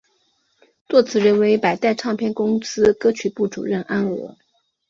作词人为百代唱片公司歌曲部主任安娥。